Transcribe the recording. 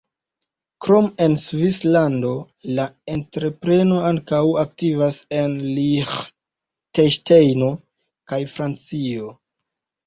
Krom en Svislando la entrepreno ankaŭ aktivas en Liĥtenŝtejno kaj Francio.